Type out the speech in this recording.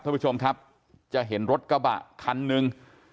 ท่านผู้ชมครับจะเห็นรถกระบะคันหนึ่ง